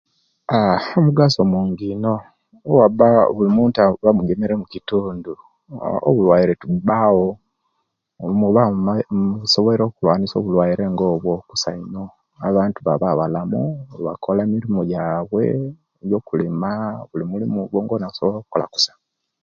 Aah omugaso mungi ino owabba mulimuntu bamugemere mukitundu uuh obulwaire tibubbawo muba mu maite musobola okulwanisia obulwaire nga obwo kusa ino abantu babba balamu babba bakola emirimu jjaibwe Jo okulima bulimulimu gwogwo aba asobola okola kusa